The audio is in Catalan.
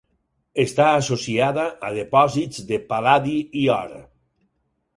Està associada a depòsits de pal·ladi i or.